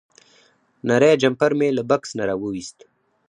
نری جمپر مې له بکس نه راوویست.